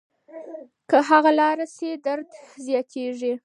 که هغه لاړه شي درد زیاتېږي.